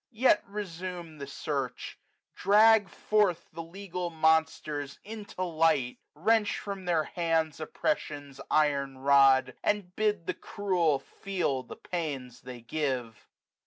yet resume the search ; Drag forth the legal monsters into light. Wrench from their hands oppression's iron rod, 38a And bid the cruel feel the pains they give.